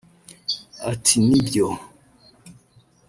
Ati Ni byo